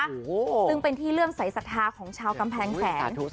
ซึ่งเป็นที่เลื่อมใสสัทธาของชาวกำแพงแสน